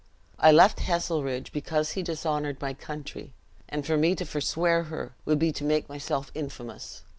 I left Heselrigge because he dishonored my country; and for me to forswear her, would be to make myself infamous.